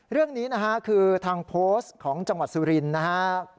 เรื่องนี้คือทางโพสต์ของจังหวัดสุรินนะครับ